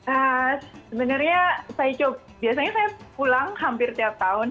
eee sebenarnya saya coba biasanya saya pulang hampir tiap tahun